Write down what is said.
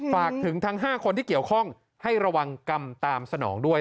ฝากถึงทั้ง๕คนที่เกี่ยวข้องให้ระวังกรรมตามสนองด้วย